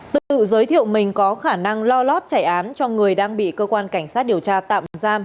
tự giới thiệu mình có khả năng lo lót chảy án cho người đang bị cơ quan cảnh sát điều tra tạm giam